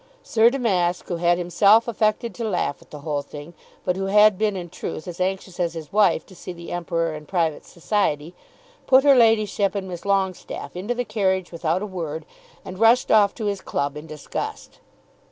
Sir Damask, who had himself affected to laugh at the whole thing, but who had been in truth as anxious as his wife to see the Emperor in private society, put her ladyship and Miss Longestaffe into the carriage without a word, and rushed off to his club in disgust.